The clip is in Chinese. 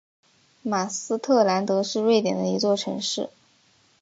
马斯特兰德是瑞典的一座城市。